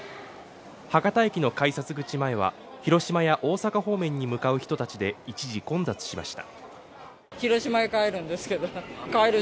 博多駅の改札口前は広島や大阪方面に向かう人たちで一時混雑しました。